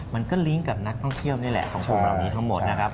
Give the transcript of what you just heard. มันก็ลิงก์กับนักท่องเที่ยวนี่แหละของพวกเรานี้ทั้งหมดนะครับ